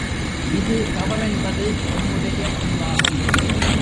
இது தவறென்பது எம்முடைய முடிவாகும்.